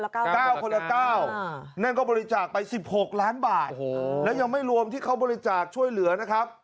นั่นก็บริจาคไป๑๖ล้านบาทโอ้โหแล้วยังไม่รวมที่เขาบริจาคช่วยเหลือนะครับ